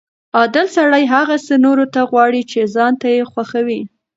عادل سړی هغه څه نورو ته غواړي چې ځان ته یې خوښوي.